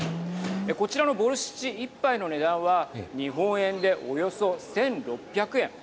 こちらのボルシチ１杯の値段は日本円で、およそ１６００円。